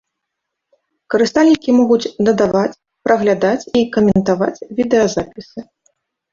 Карыстальнікі могуць дадаваць, праглядаць і каментаваць відэазапісы.